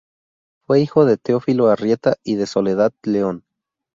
Fue hijo de Teófilo Arrieta y de Soledad León.